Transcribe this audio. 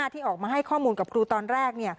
ที่ออกมาให้ข้อมูลกับครูตอนแรก